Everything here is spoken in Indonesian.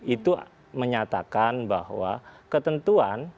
itu menyatakan bahwa ketentuan